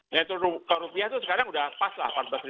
nilai tukar rupiah itu sekarang udah pas lah empat belas lima ratus an ya